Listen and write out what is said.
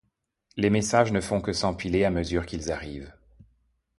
Les messages ne font que s’empiler à mesure qu’ils arrivent.